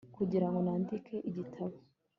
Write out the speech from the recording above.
kugira ngo nandike igitabo